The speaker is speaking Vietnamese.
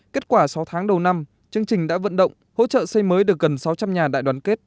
kết quả sáu tháng đầu năm chương trình đã vận động hỗ trợ xây mới được gần sáu trăm linh nhà đại đoàn kết